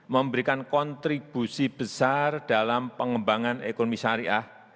memberikan kontribusi besar dalam pengembangan ekonomi syariah